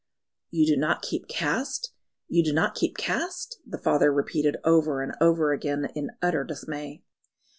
"You do not keep caste! you do not keep caste!" the father repeated over and over again in utter dismay.